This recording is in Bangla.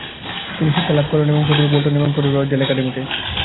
তিনি শিক্ষালাভ করেন প্রথমে বোল্টনে এবং পরে রচডেল অ্যাকাডেমিতে।